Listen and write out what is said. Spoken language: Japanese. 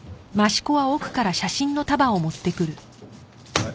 はい。